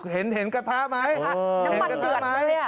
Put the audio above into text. เห็นกระทะไหม